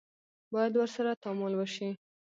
باید ورسره تعامل وشي.